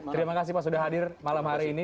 terima kasih pak sudah hadir malam hari ini